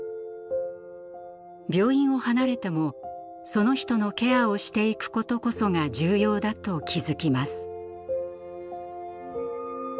病院を離れてもその人のケアをしていくことこそが重要だと気付きます。